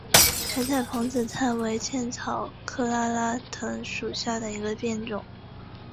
白花蓬子菜为茜草科拉拉藤属下的一个变种。